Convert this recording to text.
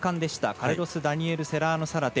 カルロスダニエル・セラーノサラテ。